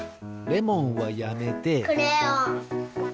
レモンはやめて。